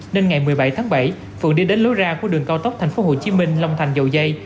nên ngày một mươi bảy tháng bảy phượng đi đến lối ra của đường cao tốc tp hcm long thành dầu dây